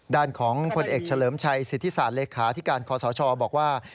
ด้านของผลเอกเฉลิมชัยสิทธิศาสตร์เลขาธิการคอสชบอกว่า